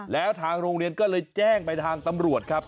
แล้วทางโรงเรียนก็เลยแจ้งไปทางตำรวจครับ